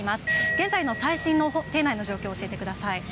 現在の最新の廷内の状況を教えてください。